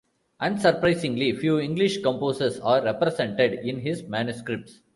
Unsurprisingly, few English composers are represented in his manuscripts.